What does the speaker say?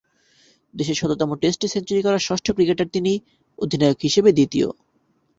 দেশের শততম টেস্টে সেঞ্চুরি করা ষষ্ঠ ক্রিকেটার তিনি, অধিনায়ক হিসেবে দ্বিতীয়।